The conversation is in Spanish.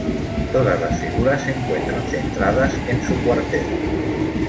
Todas las figuras se encuentran centradas en su cuartel.